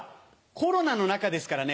コロナの中ですからね